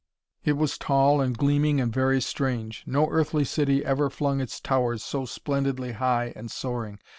It was tall and gleaming and very strange. No earthly city ever flung its towers so splendidly high and soaring.